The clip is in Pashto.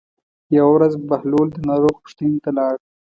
یوه ورځ بهلول د ناروغ پوښتنې ته لاړ.